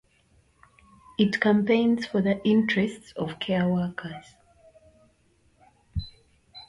It campaigns for the interests of care workers.